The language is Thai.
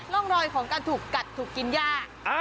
ร่องรอยของการถูกกัดถูกกินยาก